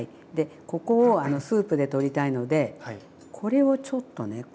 ここをスープで取りたいのでこれをちょっとねちょっと切りますね。